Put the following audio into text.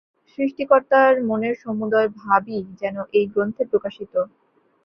সৃষ্টিকর্তার মনের সমুদয় ভাবই যেন এই গ্রন্থে প্রকাশিত।